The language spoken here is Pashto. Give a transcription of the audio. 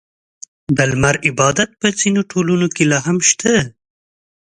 • د لمر عبادت په ځینو ټولنو کې لا هم شته.